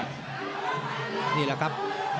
นี่แหละครับ